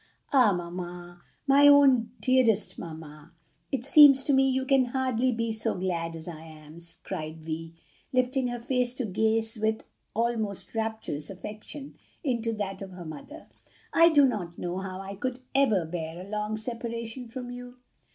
"Ah, mamma! my own dearest mamma, it seems to me you can hardly be so glad as I am!" cried Vi, lifting her face to gaze with almost rapturous affection into that of her mother. "I do not know how I could ever bear a long separation from you!"